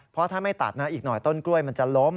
เพราะถ้าไม่ตัดนะอีกหน่อยต้นกล้วยมันจะล้ม